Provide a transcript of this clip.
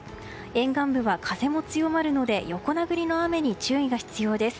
沿岸部は風も強まるので横殴りの雨に注意が必要です。